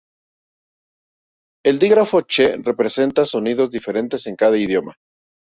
El dígrafo ch representa sonidos diferentes en cada idioma.